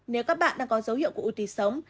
nếu các bạn đang có dấu hiệu của u tùy sống